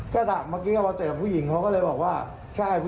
เป็นโรคลาดเป็นเงาสีดำหรือครับ